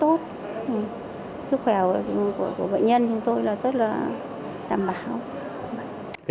tốt sức khỏe của bệnh nhân chúng tôi là rất là đảm bảo